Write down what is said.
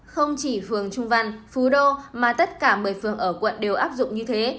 không chỉ phường trung văn phú đô mà tất cả một mươi phường ở quận đều áp dụng như thế